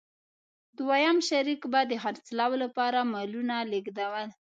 دویم شریک به د خرڅلاو لپاره مالونه لېږدول.